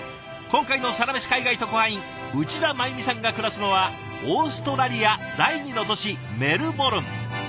今回のサラメシ海外特派員内田真弓さんが暮らすのはオーストラリア第２の都市メルボルン。